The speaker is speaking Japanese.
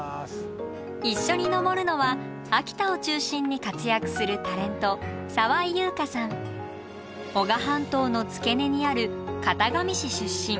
一緒に登るのは秋田を中心に活躍する男鹿半島の付け根にある潟上市出身。